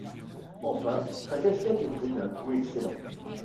Enfin, sa casquette était d’un goût excellent.